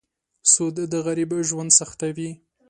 سود د غریب ژوند سختوي.